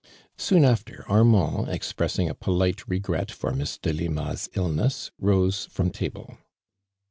Soon after, Armand, expressing a polite regret for Miss Delima' s illness, rose from table.